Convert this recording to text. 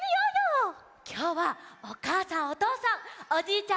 きょうはおかあさんおとうさんおじいちゃん